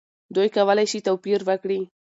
دوی کولی شي توپیر وکړي.